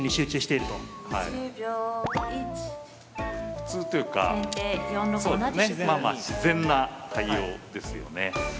普通というか自然な対応ですよね。